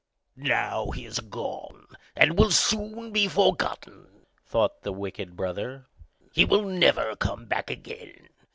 "Now he is gone, and will soon be forgotten," thought the wicked brother; "he will never come back again.